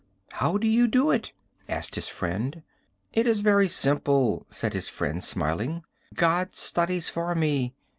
'How do you do it?' asked his friend. 'It is very simple,' said his friend smiling. 'God studies for me.